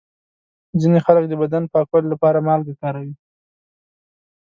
ځینې خلک د بدن پاکولو لپاره مالګه کاروي.